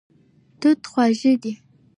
توت خواږه دی.